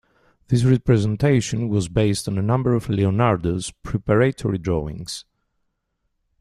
This representation was based on a number of Leonardo's preparatory drawings.